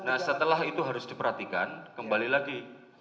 nah setelah itu harus diperhatikan kembali lagi